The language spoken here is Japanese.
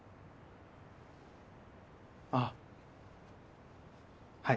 ああはい。